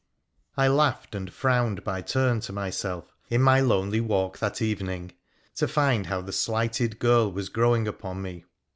I laughed and frowned by turn to myself in my lonely walk that evening, to find how the slighted girl was growing upon me.